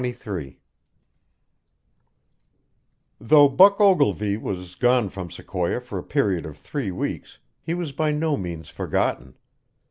CHAPTER XXIII Though Buck Ogilvy was gone from Sequoia for a period of three weeks, he was by no means forgotten.